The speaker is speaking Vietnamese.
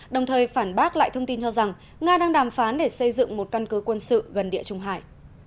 đồng thời phản bác lại thông tin cho rằng nga đang đàm phán để xây dựng một căn cứ quân sự gần địa trung hải